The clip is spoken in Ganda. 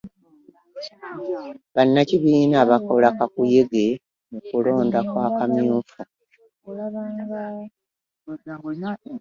Bannakibiina kakola kakuyege mu kulonda kw'akamyufu.